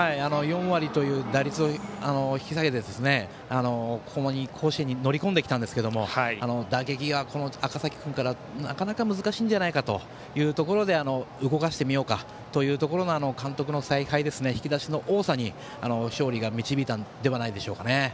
４割という打率を引っさげて甲子園に乗り込んできたんですが打撃が赤嵜君からはなかなか難しいんじゃないかというところで動かしてみようかという監督の采配、引き出しの多さで勝利が導いたのではないでしょうかね。